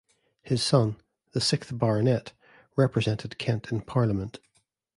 His son, the sixth Baronet, represented Kent in Parliament.